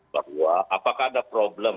bahwa apakah ada problem